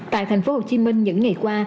tại tp hcm những ngày qua